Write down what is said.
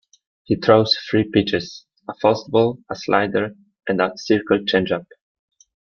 He throws three pitches: a fastball, a slider and a circle changeup.